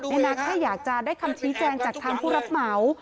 ทำให้นักให้อยากจะได้คำชี้แจงจากทางปรับเหมา